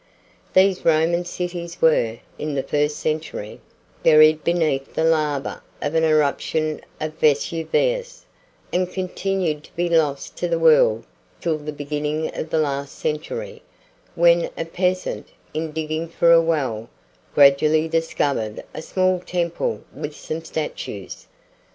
These Roman cities were, in the first century, buried beneath the lava of an eruption of Vesuvius, and continued to be lost to the world till the beginning of the last century, when a peasant, in digging for a well, gradually discovered a small temple with some statues.